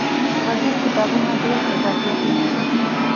غږیز کتابونه ډیر جذابیت لري.